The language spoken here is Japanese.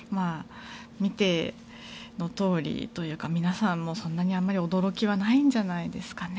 見てのとおりというか皆さんもそんなに驚きはないんじゃないですかね。